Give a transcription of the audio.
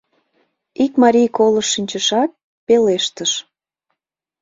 Ик марий колышт шинчышат, пелештыш: